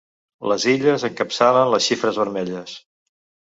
Les Illes encapçalen les xifres vermelles.